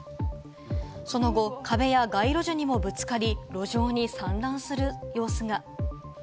その後、壁や街路樹にもぶつかり、路上に散乱する様子が。